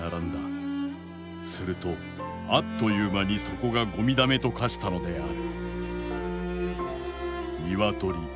するとあっという間にそこがごみだめと化したのである」。